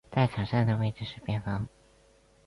在场上的位置是边锋。